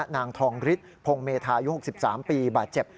นางทองฤทธพงศ์เมธาอายุ๖๓ปีบาดเจ็บ